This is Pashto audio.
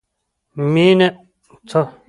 مینه ماشوم له ټولنې نه بېلوي نه.